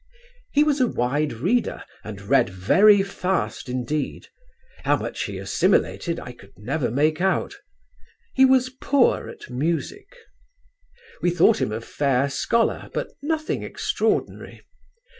"He was a wide reader and read very fast indeed; how much he assimilated I never could make out. He was poor at music. "We thought him a fair scholar but nothing extraordinary.